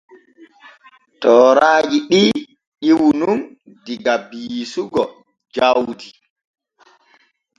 Tooraaji ɗi ƴiwu nun diga biisugo jawdi.